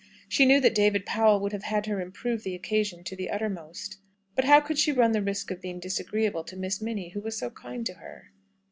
She knew that David Powell would have had her improve the occasion to the uttermost. But how could she run the risk of being disagreeable to Miss Minnie, who was so kind to her?